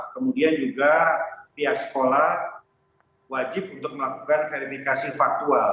kemudian juga pihak sekolah wajib untuk melakukan verifikasi faktual